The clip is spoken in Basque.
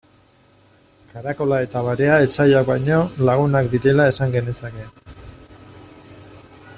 Karakola eta barea etsaiak baino lagunak direla esan genezake.